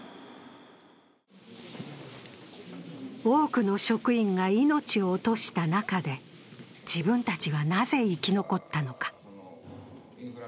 多くの職員が命を落とした中で、自分たちはなぜ生き残ったのか。